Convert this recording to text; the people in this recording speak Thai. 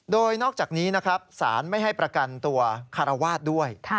โดยนอกจากนี้นะครับสารไม่ให้ประกันตัวคารวาสด้วย